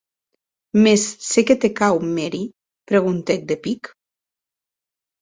Mès, se qué te cau, Mary?, preguntèc de pic.